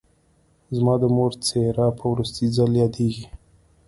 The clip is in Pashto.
زما د مور څېره په وروستي ځل یادېږي